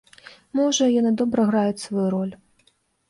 Можа, яны добра граюць сваю ролю.